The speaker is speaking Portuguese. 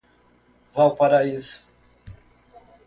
Valparaíso